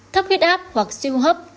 thấp huyết áp hoặc siêu hấp